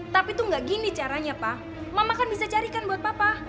tapi tuh gak gini caranya pak mama kan bisa carikan buat papa